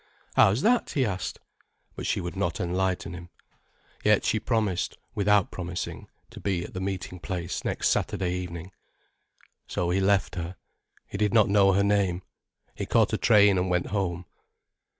"How's that?" he asked. But she would not enlighten him. Yet she promised, without promising, to be at the meeting place next Saturday evening. So he left her. He did not know her name. He caught a train and went home.